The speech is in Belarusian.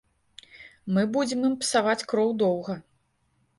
Мы будзем ім псаваць кроў доўга.